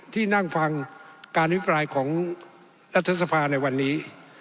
ที่นั่งฟังการอภิปรายของรัฐสภาในวันนี้